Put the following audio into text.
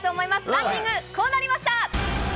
ランキング、こうなりました。